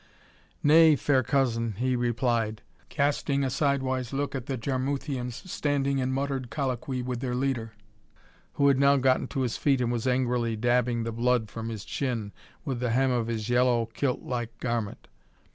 "Nay, fair cousin," he replied, casting a sidewise look at the Jarmuthians standing in muttered colloquy with their leader, who had now gotten to his feet and was angrily dabbing the blood from his chin with the hem of his yellow kiltlike garment.